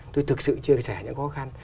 tôi thực sự chia sẻ những khó khăn